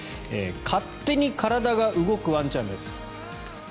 勝手に体が動くワンちゃんです。